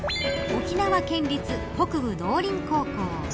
沖縄県立北部農林高校。